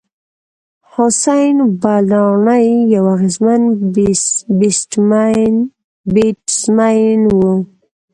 حسېن بلاڼي یو اغېزمن بېټسمېن وو.